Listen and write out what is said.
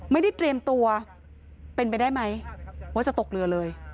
ไม่ได้เตรียมตัวเป็นไปได้ไหมว่าจะตกเรือเลย